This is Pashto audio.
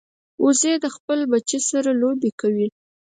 وزې د خپل بچي سره لوبې کوي